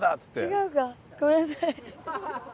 違うかごめんなさい。